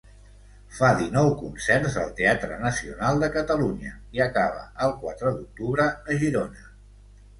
Fa dinou concerts al Teatre Nacional de Catalunya i acaba el quatre d'octubre a Girona.